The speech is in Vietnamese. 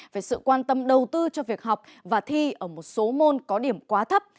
về sự quan tâm đầu tư cho việc học và thi ở một số môn có điểm quá thấp